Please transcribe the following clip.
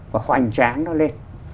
và hoành tráng nó lên